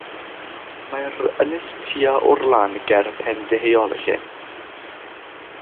Mae'r ynys tua o'r lan ger pen deheuol y llyn.